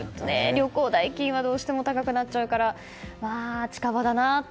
旅行代金は、どうしても高くなっちゃうから近場かなって。